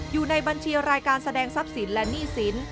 อยู่ในบัญชีรายการแสดงทรัพย์สินและหนี้สิน